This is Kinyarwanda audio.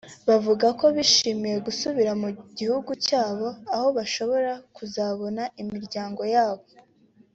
bavuga ko bishimiye gusubira mu gihugu cyabo aho bashobora kuzabona imiryango yabo